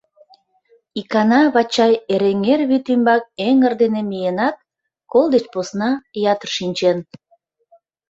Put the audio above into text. Икана Вачай Эреҥер вӱд ӱмбак эҥыр дене миенат, кол деч посна ятыр шинчен.